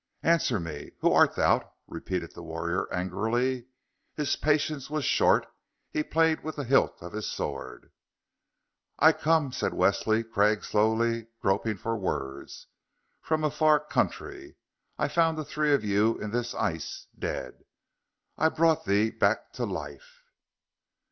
"Answer me! Who art thou?" repeated the warrior angrily. His patience was short; he played with the hilt of his sword. "I come," said Wesley Craig slowly, groping for words, "from a far country. I found the three of you in this ice dead. I brought thee back to life."